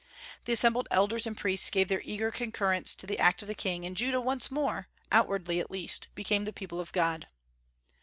The assembled elders and priests gave their eager concurrence to the act of the king, and Judah once more, outwardly at least, became the people of God.